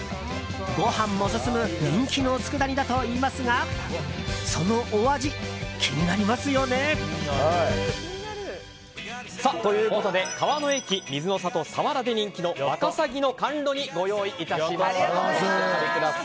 ご飯も進む人気のつくだ煮だといいますがそのお味、気になりますよね？ということで川の駅水の郷さわらで人気の若さぎの甘露煮をご用意いたしました。